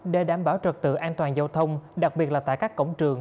để đảm bảo trật tự an toàn giao thông đặc biệt là tại các cổng trường